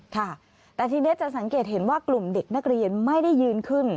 ค่ะแต่ทีนี้จะสังเกตเห็นว่ากลุ่มเด็กนักเรียนไม่ได้ยืนขึ้น